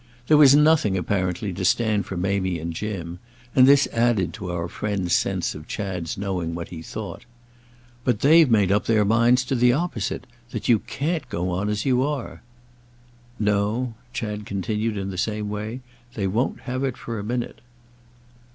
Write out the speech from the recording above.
There was nothing, apparently, to stand for Mamie and Jim; and this added to our friend's sense of Chad's knowing what he thought. "But they've made up their minds to the opposite—that you can't go on as you are." "No," Chad continued in the same way; "they won't have it for a minute."